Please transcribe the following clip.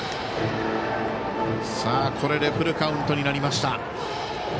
これでフルカウントになりました。